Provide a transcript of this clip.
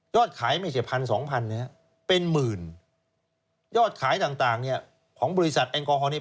ยอดขายไม่ใช่พันสองพันเนี่ย